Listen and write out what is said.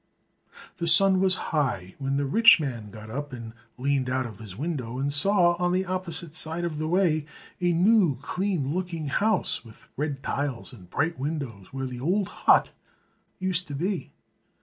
The sun was high when the rich man got up and leaned out of his window and saw, on the opposite side of the way, a new clean looking house with red tiles and bright windows where the old hut used to be.